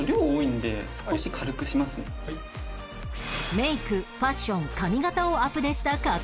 メイクファッション髪形をアプデした上遠野くん